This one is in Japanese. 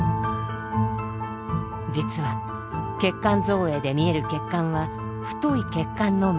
実は血管造影で見える血管は太い血管のみ。